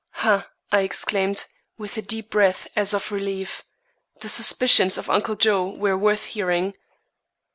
"Ha!" I exclaimed, with a deep breath as of relief. The suspicions of Uncle Joe were worth hearing.